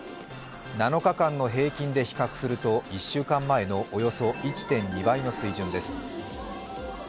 ７日間の平均で比較すると１週間前のおよそ１．２倍の水準です。